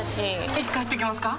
いつ帰ってきますか？